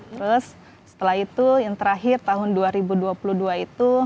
terus setelah itu yang terakhir tahun dua ribu dua puluh dua itu